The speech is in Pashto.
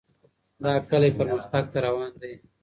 دا کلی پرمختګ ته روان دی.